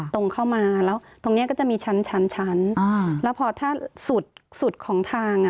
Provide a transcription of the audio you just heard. ตรงเข้ามาแล้วตรงนี้ก็จะมีชั้นแล้วพอถ้าสุดของทาง